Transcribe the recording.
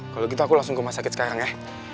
kalau gitu aku langsung ke rumah sakit sekarang ya